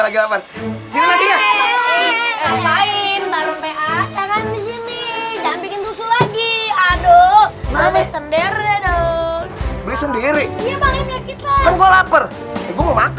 lagi lagi aduh sendiri sendiri